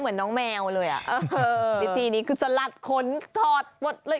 เหมือนน้องแมวเลยอ่ะวิธีนี้คือสลัดขนถอดหมดเลย